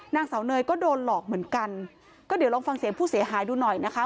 นางสาวเนยก็โดนหลอกเหมือนกันก็เดี๋ยวลองฟังเสียงผู้เสียหายดูหน่อยนะคะ